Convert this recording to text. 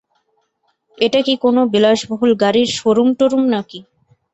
এটা কি কোনো বিলাসবহুল গাড়ির শোরুম-টরুম না-কি?